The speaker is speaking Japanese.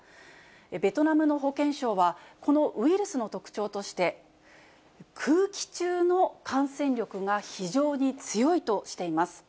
ベトナムの保健省は、このウイルスの特徴として、空気中の感染力が非常に強いとしています。